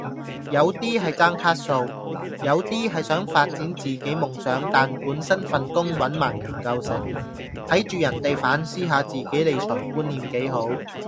有啲係爭卡數，有啲係想發展自己夢想但本身份工搵埋唔夠食，睇住人哋反思下自己理財觀念幾好